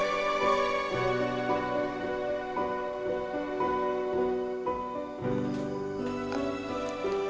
eros jalan dulu